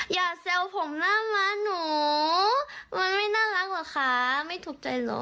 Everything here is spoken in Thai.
อย่าแซวผมหน้าม้าหนูมันไม่น่ารักเหรอคะไม่ถูกใจเหรอ